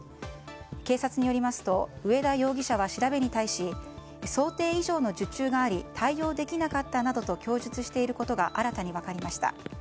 警察によりますと上田容疑者は調べに対し想定以上の受注があり対応できなかったなどと供述していることが新たに分かりました。